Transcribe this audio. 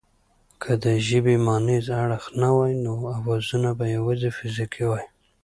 که د ژبې مانیز اړخ نه وای نو اوازونه به یواځې فزیکي وای